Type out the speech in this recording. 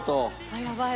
やばい。